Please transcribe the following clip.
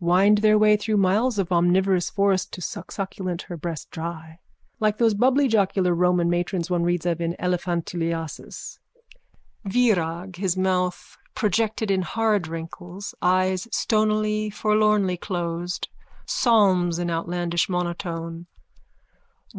Wind their way through miles of omnivorous forest to sucksucculent her breast dry. Like those bubblyjocular Roman matrons one reads of in Elephantuliasis. VIRAG: _(His mouth projected in hard wrinkles, eyes stonily forlornly closed, psalms in outlandish monotone.)